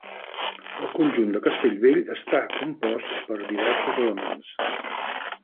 El conjunt del Castellvell està compost per diversos elements.